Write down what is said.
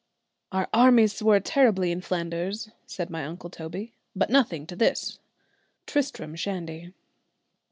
"'Our armies swore terribly in Flanders,' said my uncle Toby, 'but nothing to this.'" _Tristram Shandy.